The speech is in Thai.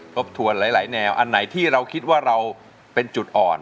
บทวนหลายแนวอันไหนที่เราคิดว่าเราเป็นจุดอ่อน